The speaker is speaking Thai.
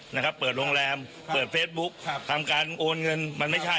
นะครับเปิดโรงแรมเปิดเฟซบุ๊คครับทำการโอนเงินมันไม่ใช่